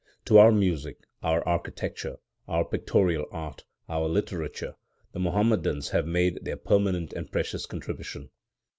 To our music, our architecture, our pictorial art, our literature, the Muhammadans have made their permanent and precious contribution.